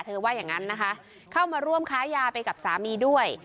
ว่าอย่างนั้นนะคะเข้ามาร่วมค้ายาไปกับสามีด้วย